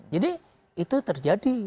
jadi itu terjadi